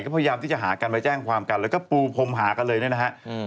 ก็พยายามที่จะหากันไปแจ้งความกันแล้วก็ปูพรมหากันเลยเนี่ยนะฮะ